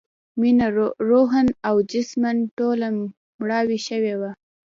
مينه روحاً او جسماً ټوله مړاوې شوې وه